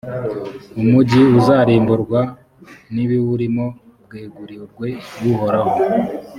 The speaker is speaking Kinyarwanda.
umugi uzarimburwa n’ibiwurimo byegurirwe uhoraho.